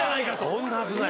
こんなはずない。